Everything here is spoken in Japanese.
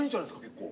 結構。